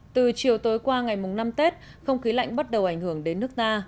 từ chiều tối qua ngày mùng năm tết không khí lạnh bắt đầu ảnh hưởng đến nước ta